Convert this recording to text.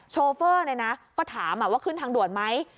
โชเฟอร์ก็ถามว่าขึ้นทางด่วนไหม